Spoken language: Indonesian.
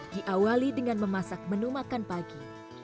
diawali dengan memasak menu makan pagi